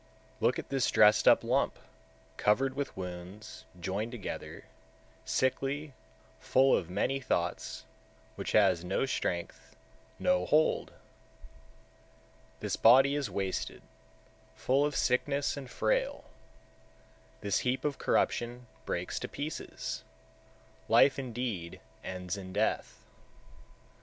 Look at this dressed up lump, covered with wounds, joined together, sickly, full of many thoughts, which has no strength, no hold! 148. This body is wasted, full of sickness, and frail; this heap of corruption breaks to pieces, life indeed ends in death. 149.